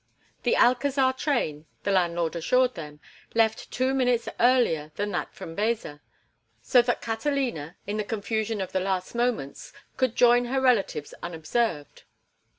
The Alcazar train, the landlord assured them, left two minutes earlier than that for Baeza, so that Catalina, in the confusion of the last moments, could join her relatives unobserved.